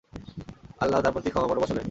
আল্লাহ তার প্রতি ক্ষমা পরবশ হলেন।